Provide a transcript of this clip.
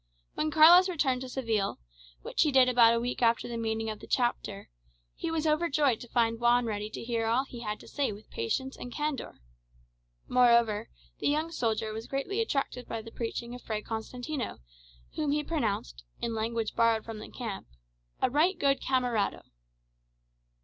When Carlos returned to Seville, which he did about a week after the meeting of the Chapter, he was overjoyed to find Juan ready to hear all he had to say with patience and candour. Moreover, the young soldier was greatly attracted by the preaching of Fray Constantino, whom he pronounced, in language borrowed from the camp, "a right good camerado."